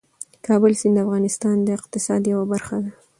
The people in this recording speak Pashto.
د کابل سیند د افغانستان د اقتصاد یوه برخه ده.